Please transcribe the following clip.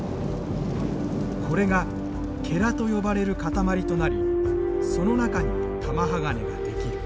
これがと呼ばれる塊となりその中に玉鋼が出来る。